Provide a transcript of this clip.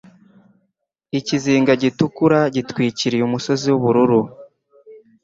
Ikizinga gitukura gitwikiriye Umusozi w'ubururu.